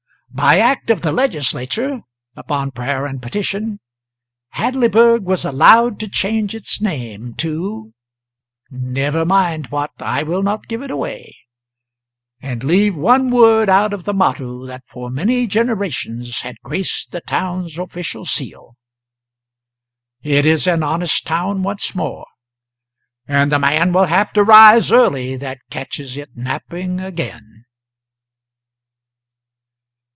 By act of the Legislature upon prayer and petition Hadleyburg was allowed to change its name to (never mind what I will not give it away), and leave one word out of the motto that for many generations had graced the town's official seal. It is an honest town once more, and the man will have to rise early that catches it napping again.